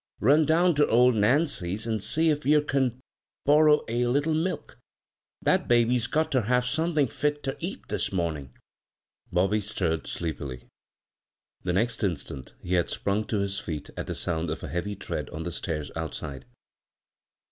" Run down ter old Naiu^s an' see if ye can't borrer a little milk. That baby's got ter have somethin' fit ter eat this momin'." Bobby stirred sleepily. The next instant he had sprung to his feet at the sound <A a heavy tread on the stairs outside.